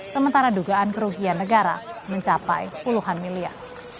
sementara dugaan kerugian negara mencapai puluhan miliar